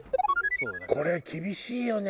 これ厳しいよね。